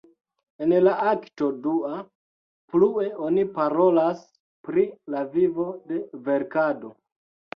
En la akto dua, plue oni parolas pri la vivo de verkado.